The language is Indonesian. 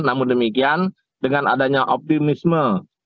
namun demikian dengan adanya optimisme